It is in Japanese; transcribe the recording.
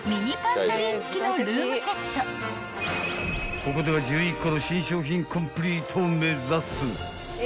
［ここでは１１個の新商品コンプリートを目指す］